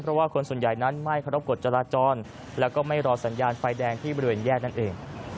เพราะว่าคนส่วนใหญ่นั้นไม่เคารพกฎจราจรแล้วก็ไม่รอสัญญาณไฟแดงที่บริเวณแยกนั่นเอง